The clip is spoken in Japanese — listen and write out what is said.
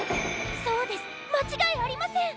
そうですまちがいありません！